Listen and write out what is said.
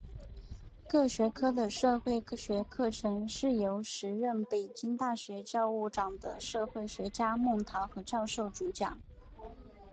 各学科的社会学课程是由时任北京大学教务长的社会学家陶孟和教授主讲。